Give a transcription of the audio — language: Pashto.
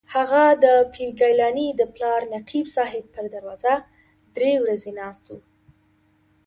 هغه د پیر ګیلاني د پلار نقیب صاحب پر دروازه درې ورځې ناست و.